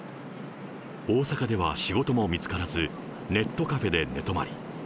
大阪では仕事も見つからず、ネットカフェで寝泊まり。